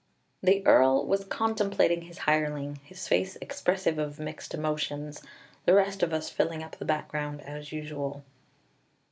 The Earl was contemplating his hireling, his face expressive of mixed emotions, the rest of us filling up the background as usual.